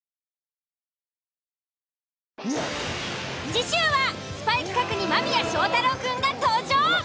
次週はスパイ企画に間宮祥太朗くんが登場。